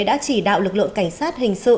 đã chỉ đạo lực lượng cảnh sát hình sự